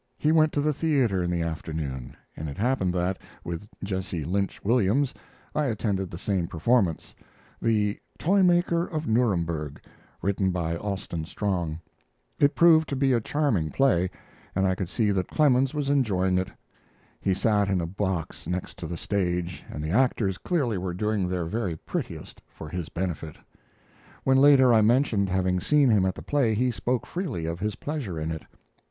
He went to the theater in the afternoon; and it happened that, with Jesse Lynch Williams, I attended the same performance the "Toy Maker of Nuremberg" written by Austin Strong. It proved to be a charming play, and I could see that Clemens was enjoying it. He sat in a box next to the stage, and the actors clearly were doing their very prettiest for his benefit. When later I mentioned having seen him at the play, he spoke freely of his pleasure in it.